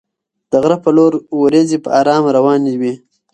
د غره په لور ورېځې په ارامه روانې وې.